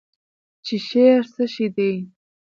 چې شعر څه شی دی؟